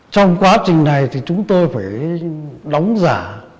trong quá trình này chúng tôi phải đóng giả